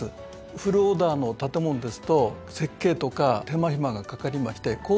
フルオーダーの建物ですと設計とか手間暇がかかりまして高コストにつながっていきます。